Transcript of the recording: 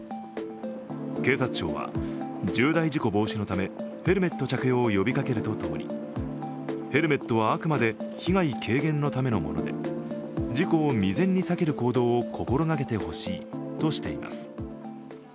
警察庁は重大事故防止のため、ヘルメット着用を呼びかけるとともにヘルメットはあくまで被害軽減のためのもので、事故を未然にさける行動を心がけてほしいとしています。